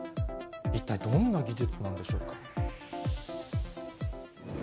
一体、どんな技術なんでしょうか。